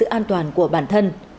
và sự an toàn của bản thân